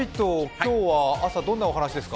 今日は朝どんなお話ですか？